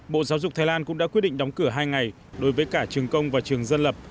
bộ giáo dục thái lan cũng đã quyết định đóng cửa hai ngày đối với cả trường công và trường dân lập